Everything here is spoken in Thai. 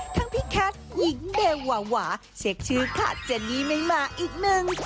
พี่แคทหญิงเบลวาวาเช็คชื่อค่ะเจนนี่ไม่มาอีกหนึ่ง